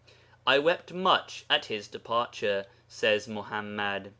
'I wept much at his departure,' says Muḥammad.